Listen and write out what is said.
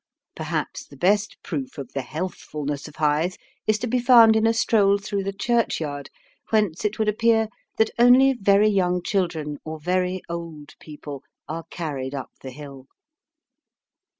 Perhaps the best proof of the healthfulness of Hythe is to be found in a stroll through the churchyard, whence it would appear that only very young children or very old people are carried up the hill.